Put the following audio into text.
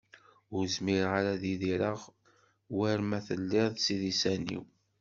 Ur zmireɣ ara ad idireɣ war ma telliḍ s idisan-iw.